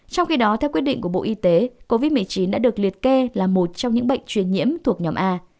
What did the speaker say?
trong khi đó theo quyết định của bộ y tế covid một mươi chín đã được liệt kê là một trong những bệnh truyền nhiễm thuộc nhóm a